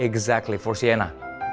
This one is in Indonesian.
tepat sekali untuk sienna